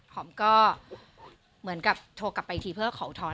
ผมก็โทรกลับไปอีกทีเพื่อขออุทธอน